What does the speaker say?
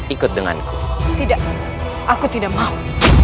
ikut denganku tidak aku tidak mau